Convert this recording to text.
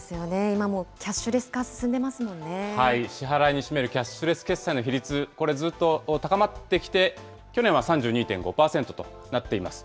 今もうキャッ支払いに占めるキャッシュレス決済の比率、これ、ずっと高まってきて、去年は３２．５％となっています。